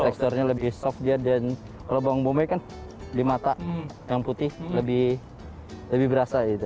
teksturnya lebih soft dia dan kalau bawang bombay kan di mata yang putih lebih berasa gitu